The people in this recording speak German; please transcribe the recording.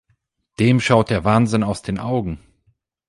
Dem schaut der Wahnsinn aus den Augen.